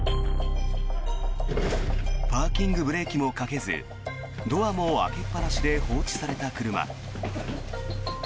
パーキングブレーキもかけずドアも開けっぱなしで放置された車。